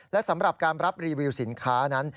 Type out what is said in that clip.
และสำหรับการรับรีวิวสินค้านั้น